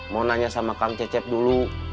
mau nanya sama kang cecep dulu